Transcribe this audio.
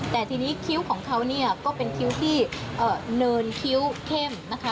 แต่ทีนี้คิ้วของเขาเนี่ยก็เป็นคิ้วที่เนินคิ้วเข้มนะคะ